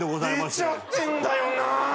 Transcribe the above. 出ちゃってんだよな。